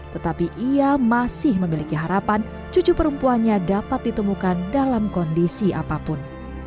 tetapi ia masih memiliki harapan cucu perempuannya dapat ditemukan dalam kondisi apapun